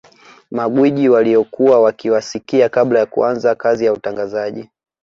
Magwiji waliokuwa wakiwasikia kabla ya kuanza kazi ya utangazaji